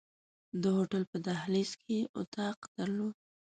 د هوټل په دهلیز کې یې اتاق درلود.